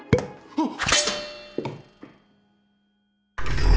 あっ。